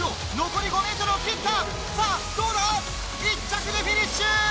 馬１着でフィニッシュ！